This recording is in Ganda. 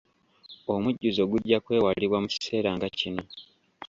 Omujjuzo gujja kwewalibwa mu kiseera nga kino.